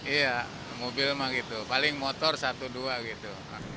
iya mobil mah gitu paling motor satu dua gitu